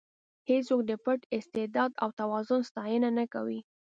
هېڅوک د پټ استعداد او توان ستاینه نه کوي.